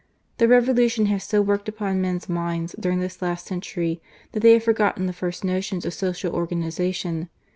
The Revolu tion has so worked upon men's minds during this last century, that they have forgotten the first notions of social organization.